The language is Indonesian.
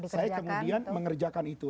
saya kemudian mengerjakan itu